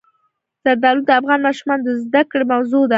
زردالو د افغان ماشومانو د زده کړې موضوع ده.